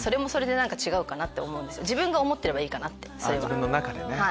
自分の中でね。